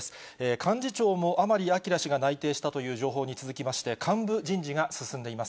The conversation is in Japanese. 幹事長も甘利明氏が内定したという情報に続きまして、幹部人事が進んでいます。